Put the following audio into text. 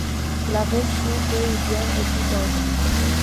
La version péruvienne est toute autre.